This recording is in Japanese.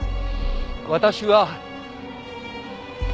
私は。